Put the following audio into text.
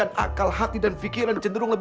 kepala ini adalah s troubled